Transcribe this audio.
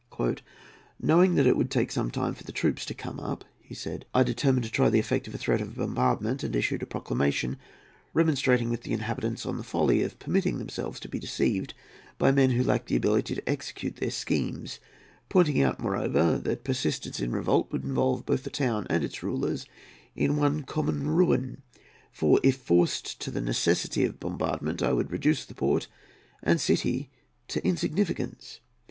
"Knowing that it would take some time for the troops to come up," he said, "I determined to try the effect of a threat of bombardment, and issued a proclamation remonstrating with the inhabitants on the folly of permitting themselves to be deceived by men who lacked the ability to execute their schemes; pointing out, moreover, that persistence in revolt would involve both the town and its rulers in one common ruin, for, if forced to the necessity of bombardment, I would reduce the port and city to insignificance.